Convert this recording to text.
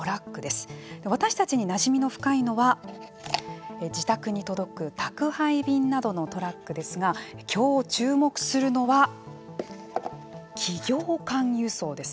私たちになじみの深いのは自宅に届く宅配便などのトラックですが今日注目するのは企業間輸送です。